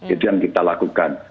itu yang kita lakukan